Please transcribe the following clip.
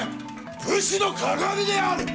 武士の鑑である！